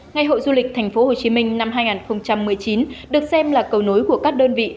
ngày hội du lịch tp hcm năm hai nghìn một mươi chín được xem là cầu nối của các đơn vị